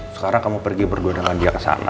sekarang kamu pergi berdua dengan dia ke sana